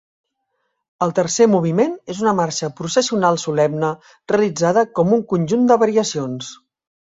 El tercer moviment és una marxa processional solemne realitzada com un conjunt de variacions.